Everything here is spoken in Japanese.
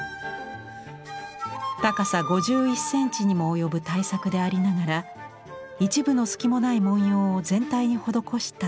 高さ５１センチにも及ぶ大作でありながら一分の隙もない文様を全体に施した巧みなデザイン。